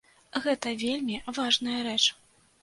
Гэта вельмі важная рэч.